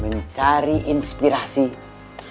mencari inspirasi kemujanga